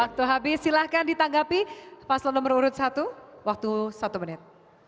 waktu habis silahkan ditanggapi paslon nomor urut satu waktu satu menit